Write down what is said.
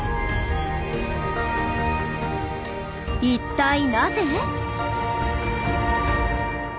一体なぜ？